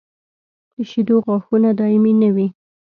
د شېدو غاښونه دایمي نه وي.